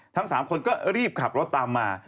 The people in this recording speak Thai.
ทั้ง๓คนก็รีบขับรถตามมา